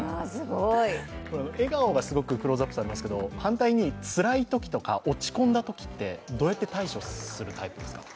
笑顔がすごくクローズアップされますけど反対に、つらいときとか落ち込んだときってどうやって対処するタイプですか？